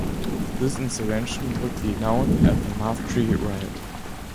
This insurrection would be known as the Mast Tree Riot.